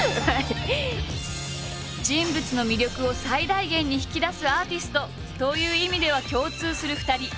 人物の魅力を最大限に引き出すアーティストという意味では共通する２人。